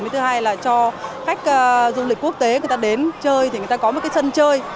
thứ hai là cho khách du lịch quốc tế người ta đến chơi thì người ta có một cái sân chơi